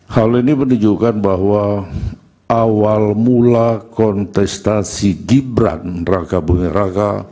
hal ini menunjukkan bahwa awal mula kontestasi gibran raka bumi raka